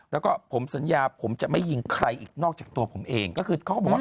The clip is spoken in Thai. แล้วก็ผมสัญญาผมจะไม่ยิงใครอีกนอกจากตัวผมเองก็คือเขาก็บอกว่า